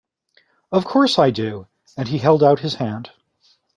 “Of course I do,” and he held out his hand.